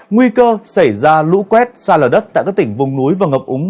nguy cơ xảy ra lũ quét xa lở đất tại các tỉnh vùng núi và ngập úng